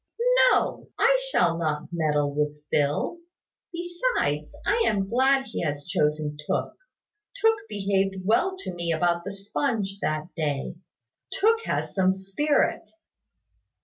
"No; I shall not meddle with Phil. Besides, I am glad he has chosen Tooke. Tooke behaved well to me about the sponge that day. Tooke has some spirit."